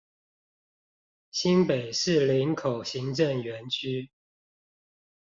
新北市林口行政園區